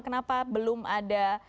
kenapa belum ada